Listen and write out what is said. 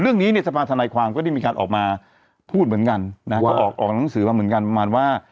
เรื่องนี้เนี่ยสภาธนายความก็ได้มีการออกมาพูดเหมือนกันนะฮะก็ออกหนังสือมาเหมือนกันประมาณว่า